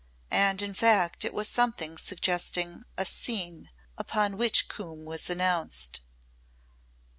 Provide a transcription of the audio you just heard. And in fact it was something suggesting "a scene" upon which Coombe was announced.